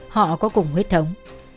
họ có cùng huyết thống